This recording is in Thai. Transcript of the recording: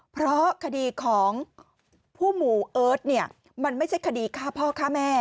เพราะคดีของผู้หมู่เอิร์ทเนี่ยมันไม่ใช่คดีฆ่าพ่อฆ่าแม่